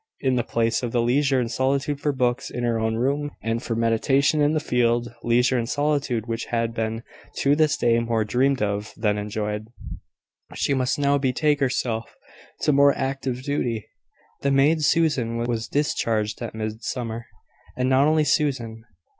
In the place of the leisure and solitude for books in her own room and for meditation in the field leisure and solitude which had been to this day more dreamed of than enjoyed, she must now betake herself to more active duty. The maid Susan was discharged at Midsummer: and not only Susan.